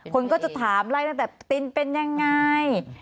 คนก็จะถามอะไรนะแต่ติ๊นเป็นยังไง